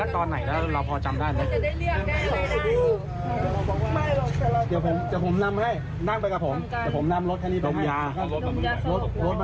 แต่ถ้าถึงท่านตอนไหนเราจะพอจำได้ไหม